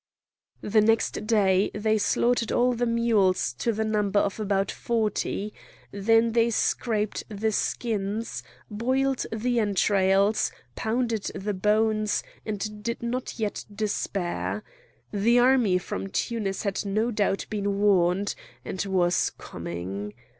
The next day they slaughtered all the mules to the number of about forty; then they scraped the skins, boiled the entrails, pounded the bones, and did not yet despair; the army from Tunis had no doubt been warned, and was coming.